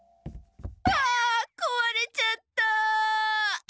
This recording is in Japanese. あこわれちゃった！